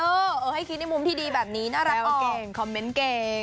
เออให้คิดในมุมที่ดีแบบนี้น่ารักเก่งคอมเมนต์เก่ง